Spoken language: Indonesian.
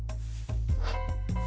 gua tak rude